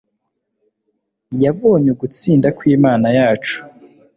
yabonye ugutsinda kw’Imana yacu